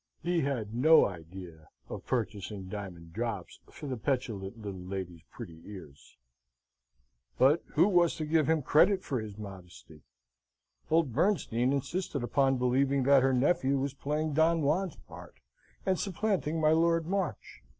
He had no idea of purchasing diamond drops for the petulant little lady's pretty ears. But who was to give him credit for his Modesty? Old Bernstein insisted upon believing that her nephew was playing Don Juan's part, and supplanting my Lord March.